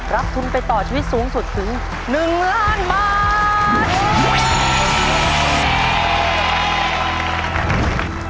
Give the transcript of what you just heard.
รับทุนไปต่อชีวิตสูงสุดถึง๑ล้านบาท